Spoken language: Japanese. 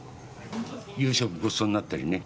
夕食ごちそうになったりね。